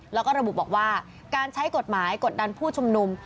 แล้วก็ระบุบอกว่าการใช้กฎหมายกดดันผู้ชุมนุม